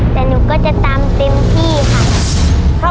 แต่หนูก็จะตามเต็มที่ค่ะ